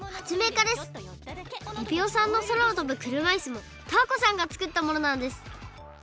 エビオさんのそらをとぶくるまいすもタアコさんがつくったものなんです。